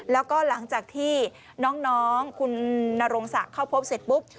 แล้วก็หลังจากที่น้องคุณนรงศักดิ์เข้าพบเสร็จปุ๊บ